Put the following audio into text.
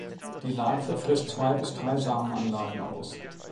Die Larve frisst zwei bis drei Samenanlagen aus.